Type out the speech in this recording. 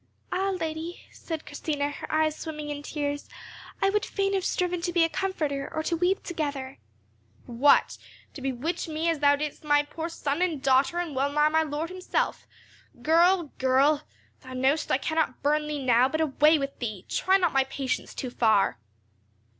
"Alas! lady," said Christina, her eyes swimming in tears, "I would fain have striven to be a comforter, or to weep together." "What! to bewitch me as thou didst my poor son and daughter, and well nigh my lord himself! Girl! Girl! Thou know'st I cannot burn thee now; but away with thee; try not my patience too far."